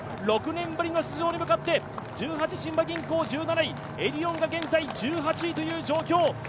６年ぶりの出場に向かって十八親和銀行１７位エディオンが現在、１８位という状況。